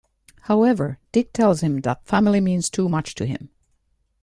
However, Dick tells him that family means too much to him.